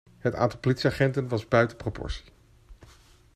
Het aantal politieagenten was buiten proportie.